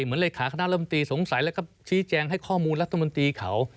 เลขาคณะลำตีสงสัยแล้วก็ชี้แจงให้ข้อมูลรัฐมนตรีเขา